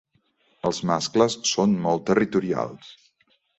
Els mascles són molt territorials.